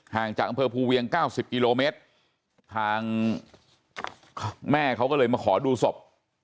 จากอำเภอภูเวียงเก้าสิบกิโลเมตรทางแม่เขาก็เลยมาขอดูศพ